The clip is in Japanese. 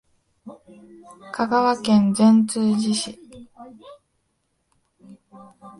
香川県善通寺市